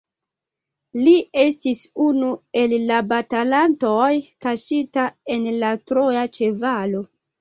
Li estis unu el la batalantoj kaŝita en la troja ĉevalo.